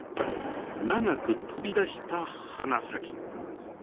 長く飛び出した鼻先。